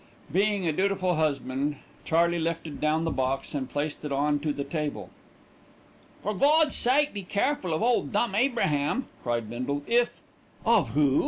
Being a dutiful husband, Charley lifted down the box and placed it on to the table. "For Gawd's sake be careful of Ole Dumb Abraham," cried Bindle. "If " "Of who?"